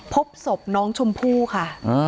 พบศพน้องชมพู่ค่ะ